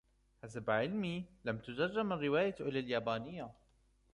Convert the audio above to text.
حسب علمي ، لم تترجم الرواية إلى اليابانية.